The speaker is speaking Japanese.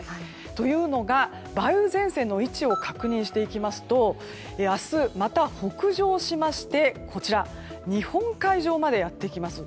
というのが、梅雨前線の位置を確認していきますと明日、また北上しまして日本海上までやってきます。